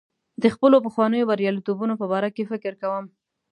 د خپلو پخوانیو بریالیتوبونو په باره کې فکر کوم.